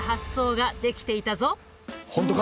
本当か。